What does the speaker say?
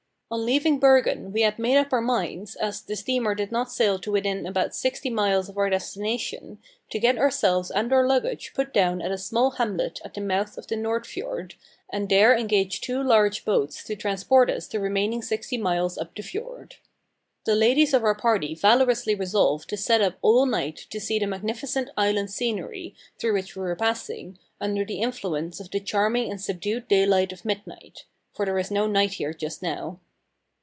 On leaving Bergen we had made up our minds, as the steamer did not sail to within about sixty miles of our destination, to get ourselves and our luggage put down at a small hamlet at the mouth of the Nord fjord, and there engage two large boats to transport us the remaining sixty miles up the fjord. The ladies of our party valorously resolved to sit up all night to see the magnificent island scenery, through which we were passing under the influence of the charming and subdued daylight of midnight for there is no night here just now.